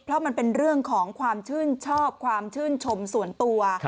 เพราะมันเป็นเรื่องของความชื่นชอบความชื่นชมส่วนตัว